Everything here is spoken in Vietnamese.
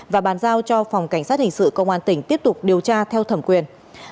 và bàn giao cho phòng cảnh sát hình sự công an tỉnh tiếp tục điều tra theo thẩm quyền